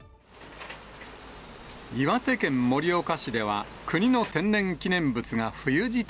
岩手県盛岡市では、国の天然記念物が冬支度。